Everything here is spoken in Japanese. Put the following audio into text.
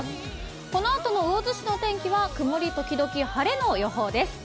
このあとの魚津市の天気は曇り時々晴れの予報です。